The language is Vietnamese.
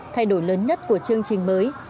thay đổi lớn nhất của chương trình mới